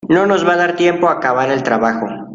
No nos va a dar tiempo a acabar el trabajo.